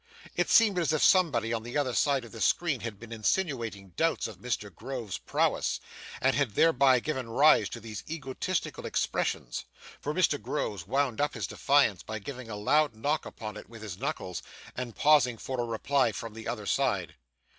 It seemed as if somebody on the other side of this screen had been insinuating doubts of Mr Groves's prowess, and had thereby given rise to these egotistical expressions, for Mr Groves wound up his defiance by giving a loud knock upon it with his knuckles and pausing for a reply from the other side.